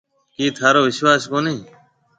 ڪِي ٿارو وشواس ڪونَي۔